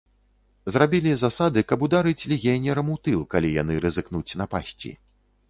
Зрабілі засады, каб ударыць легіянерам у тыл, калі яны рызыкнуць напасці.